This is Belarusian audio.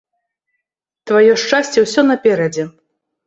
Тваё шчасце ўсё наперадзе.